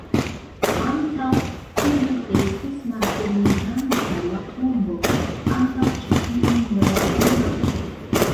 Antaŭ tiuj estis malfermiĝanta la tombo, antaŭ ĉi tiuj morala marĉo.